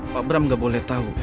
pak bram gak boleh tau